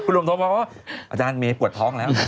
คุณลุ่มโทรมาว่าว่าอาจารย์มีปวดท้องแล้ว